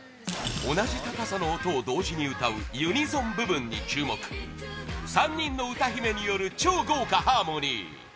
同じ高さの音を同時に歌うユニゾン部分に注目３人の歌姫による超豪華ハーモニー